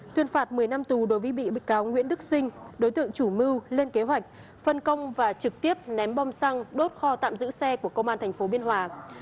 tuyên phạt một mươi năm tù đối với bị bức cáo nguyễn đức sinh đối tượng chủ mưu lên kế hoạch phân công và trực tiếp ném bom xăng đốt kho tạm giữ xe của công an tp biên hòa